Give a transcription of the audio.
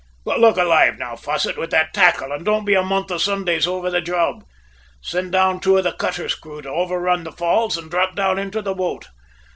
"But, look alive now, Fosset, with that tackle, and don't be a month of Sundays over the job! Send down two of the cutter's crew to overrun the falls and drop down into the boat.